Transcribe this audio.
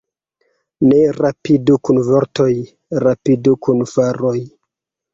Ne rapidu kun vortoj, rapidu kun faroj.